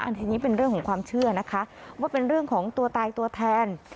อันนี้เป็นเรื่องของความเชื่อนะคะว่าเป็นเรื่องของตัวตายตัวแทน